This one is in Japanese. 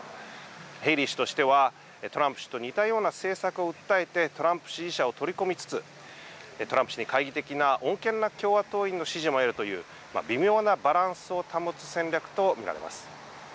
ヘイリー氏としてはトランプ氏と似たような政策を訴えてトランプ支持者を取り込みつつトランプ氏に懐疑的な穏健な共和党員の支持も得るという微妙なバランスを保つ戦略と見られます。